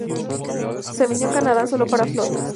Se vendió en Canadá sólo para flotas.